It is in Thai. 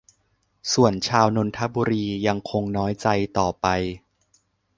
ส่วนชาวนนทบุรียังคงน้อยใจต่อไป